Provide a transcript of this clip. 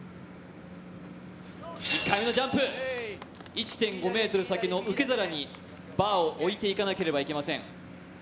１回目のジャンプ、１．５ｍ先の受け皿にバーを置いていかなければいけません。